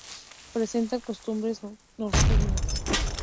Presenta costumbres nocturnas.